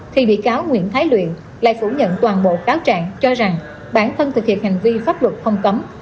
thì bị cáo nguyễn thái luyện lại phủ nhận toàn bộ cáo trạng cho rằng bản thân thực hiện hành vi pháp luật không cấm